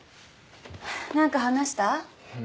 何か話した？